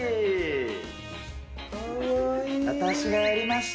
私がやりました。